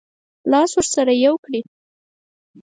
لاس ورسره یو کړي.